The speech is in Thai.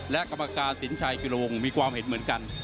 และกรรมการสินชัยกิโลวงศ์มีความเห็นเหมือนกัน